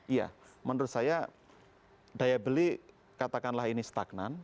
iya menurut saya daya beli katakanlah ini stagnan